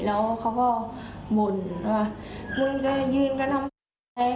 แล้วเขาก็บ่นว่ามึงจะยืนกระทำ